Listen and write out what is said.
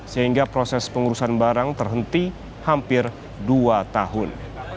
sehingga proses pengurusan barang terhenti hampir dua tahun